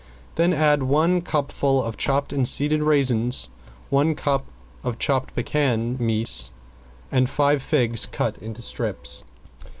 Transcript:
Then add one cupful chopped and seeded raisins, one cup chopped pecan meats and five figs cut in strips.